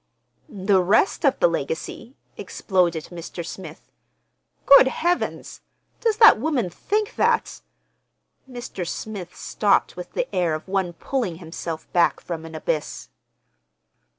"The rest of the legacy!" exploded Mr. Smith. "Good Heavens, does that woman think that—" Mr. Smith stopped with the air of one pulling himself back from an abyss.